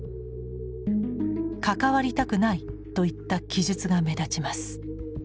「関わりたくない」といった記述が目立ちます。